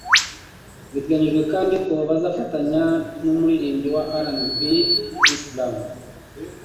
Biteganijwe kandi ko bazafatanya n'umuririmbyi wa R&B Chris Brown.